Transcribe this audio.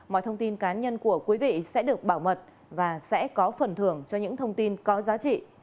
mọi thông tin cá nhân của quý vị sẽ được bảo mật và sẽ có phần thưởng cho những thông tin có giá trị